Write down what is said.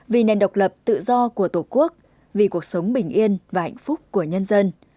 vì nền độc lập tự do của tổ quốc vì cuộc sống bình yên và hạnh phúc của nhân dân